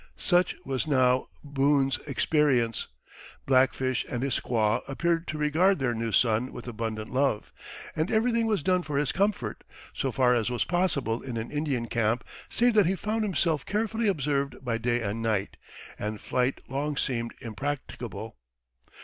Such was now Boone's experience. Black Fish and his squaw appeared to regard their new son with abundant love, and everything was done for his comfort, so far as was possible in an Indian camp, save that he found himself carefully observed by day and night, and flight long seemed impracticable.